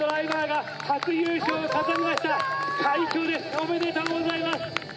おめでとうございます。